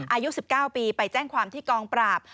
อายุ๑๙ปีไปแจ้งความที่กองปราบ